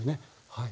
はい。